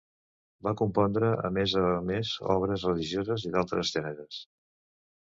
Va compondre a més a més obres religioses i d'altres gèneres.